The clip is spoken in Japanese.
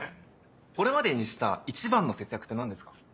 これまでにした一番の節約って何ですか？